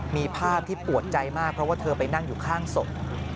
มีภาพที่ปวดใจมากเพราะว่าเธอไปนั่งอยู่ข้างศพ